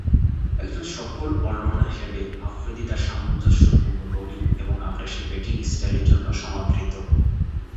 একজন সফল অলরাউন্ডার হিসেবে আফ্রিদি তার সামঞ্জস্যপূর্ণ বোলিং এবং আগ্রাসী ব্যাটিং স্টাইলের জন্য সমাদৃত।